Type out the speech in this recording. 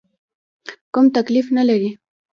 کوم تکلیف نه لرې؟